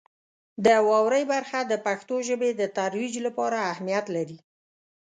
د واورئ برخه د پښتو ژبې د ترویج لپاره اهمیت لري.